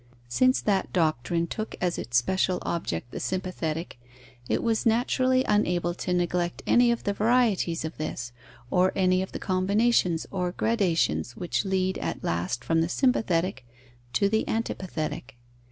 Since that doctrine took as its special object the sympathetic, it was naturally unable to neglect any of the varieties of this, or any of the combinations or gradations which lead at last from the sympathetic to the antipathetic.